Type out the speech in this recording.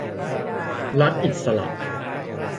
รัฐอิสระ